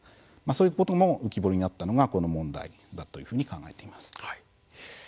そういうことも浮き彫りになったのがこの問題だというふうに考えています。